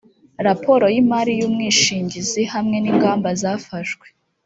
raporo y’imari y’umwishingizi hamwe n’ingamba zafashwe